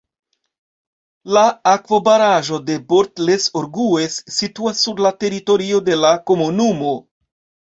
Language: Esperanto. La akvobaraĵo de Bort-les-Orgues situas sur la teritorio de la komunumo.